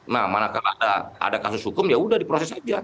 nah mana kalau ada kasus hukum yaudah diproses saja